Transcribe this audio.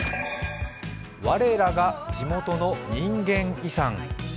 「我らが地元の“人間遺産”！？」